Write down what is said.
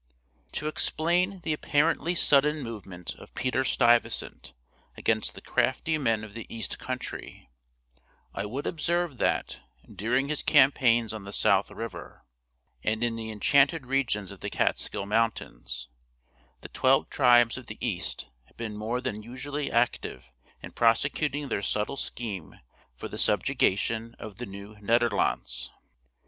To explain the apparently sudden movement of Peter Stuyvesant against the crafty men of the East Country, I would observe that, during his campaigns on the South River, and in the enchanted regions of the Catskill Mountains, the twelve tribes of the East had been more than usually active in prosecuting their subtle scheme for the subjugation of the Nieuw Nederlands.